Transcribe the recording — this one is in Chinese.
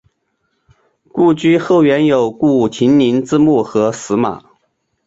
故居后园有顾亭林之墓和石马。